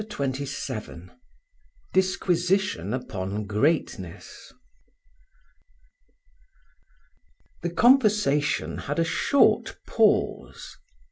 CHAPTER XXVII DISQUISITION UPON GREATNESS. THE conversation had a short pause.